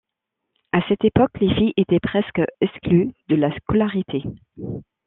À cette époque, les filles étaient presque exclues de la scolarité.